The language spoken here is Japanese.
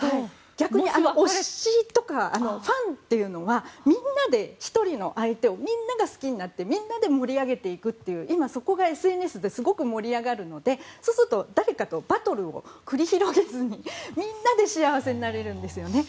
推しとか、ファンというのは１人の相手をみんなが好きになってみんなで盛り上げていくっていう今、そこがＳＮＳですごく盛り上がるのでそうすると、誰かとバトルを繰り広げずにみんなで幸せになれるんですよね。